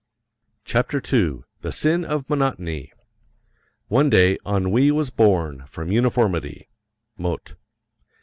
CHAPTER II THE SIN OF MONOTONY One day Ennui was born from Uniformity. MOTTE.